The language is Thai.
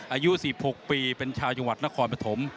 อายุ๑๖ปีเป็นชาวจังหวัดนครปฐม